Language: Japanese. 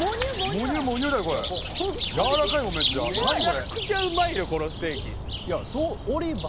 めちゃくちゃうまいよこのステーキ。